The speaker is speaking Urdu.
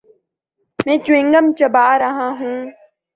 میں چیوینگ گم چبا رہا ہوں۔